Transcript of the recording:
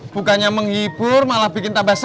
bukannya menghibur malah bikin tambah